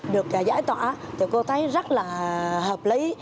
được giải tỏa thì cô thấy rất là hợp lý